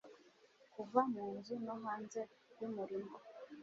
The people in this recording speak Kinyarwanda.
Kuva mu nzu no hanze yumurima